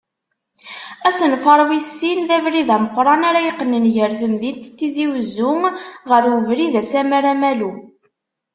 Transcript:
Asenfar wis sin, d abrid ameqqran ara yeqqnen gar temdint n Tizi Uzzu ɣar ubrid Asammar-Amalu.